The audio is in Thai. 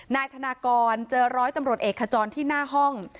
นายธนากรเจอร้อยตำรวจเอกขจรที่หน้าห้อง